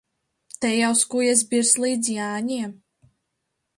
Te jau skujas birs līdz Jāņiem.